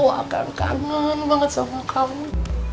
aku kan kangen banget sama kamu